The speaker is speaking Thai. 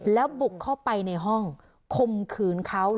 แล้วบุกเข้าไปในห้องคมขืนเขา